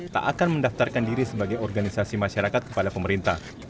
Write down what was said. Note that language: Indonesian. tak akan mendaftarkan diri sebagai organisasi masyarakat kepada pemerintah